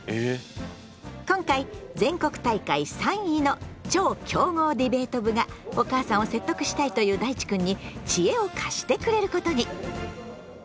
今回全国大会３位の超強豪ディベート部がお母さんを説得したいというだいちくんに知恵を貸してくれることに！